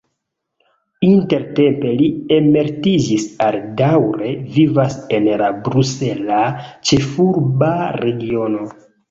Intertempe li emeritiĝis kaj daŭre vivas en la Brusela Ĉefurba Regiono.